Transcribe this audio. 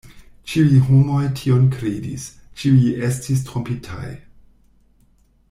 Ĉiuj homoj tion kredis; ĉiuj estis trompitaj.